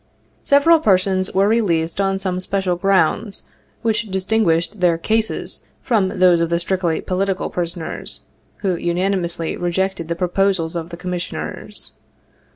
Several persons were released on some special grounds which distinguished their "cases" from those of the strictly "political prisoners," who unanimously reject ed the proposals of the Commissioners.